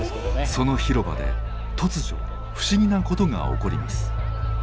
その広場で突如不思議なことが起こります。